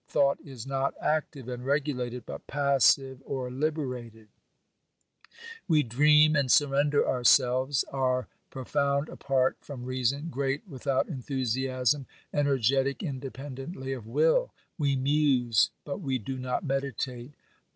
Thought is not active and regulated, but passive or Uberated; we dream and surrender ourselves, are profound apart from reason, great without enthusiasm, energetic independently of will ; we muse, but we do not meditate.